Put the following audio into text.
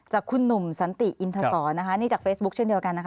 จากคุณหนุ่มสันติอินทศรจากเฟซบุ๊คเช่นเดียวกัน